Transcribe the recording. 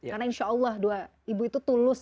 karena insya allah doa ibu itu tulus